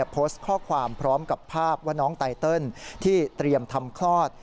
โพสต์ข้อความพร้อมกับภาพว่าน้องไตเติลที่เตรียมทำคลอด